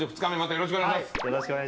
よろしくお願いします。